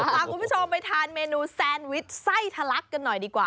พาคุณผู้ชมไปทานเมนูแซนวิชไส้ทะลักกันหน่อยดีกว่า